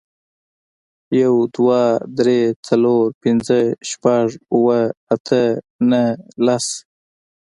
یو, دوه, درې, څلور, پنځه, شپږ, اووه, اته, نه, لس